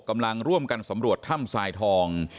กำลังร่วมกันสำรวจถ้ำทรายทอง